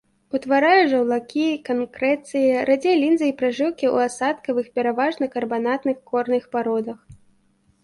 Утварае жаўлакі, канкрэцыі, радзей лінзы і пражылкі ў асадкавых, пераважна карбанатных горных пародах.